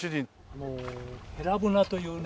あのヘラブナというね。